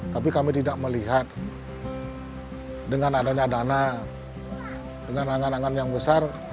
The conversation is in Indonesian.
tapi kami tidak melihat dengan adanya dana dengan angan angan yang besar